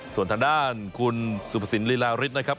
ส่วนทางด้านคุณสุภสินลีลาริสนะครับ